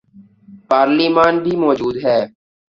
پارلیمان بھی موجود ہے۔